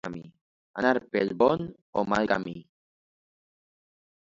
Anar pel bon o mal camí.